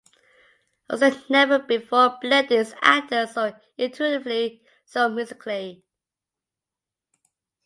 Huston never before blended his actors so intuitively, so musically.